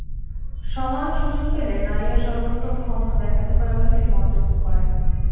সমান সুযোগ পেলে নারীরা সর্বোত্তম দক্ষতা দেখাতে পারে বলে তিনি মন্তব্য করেন।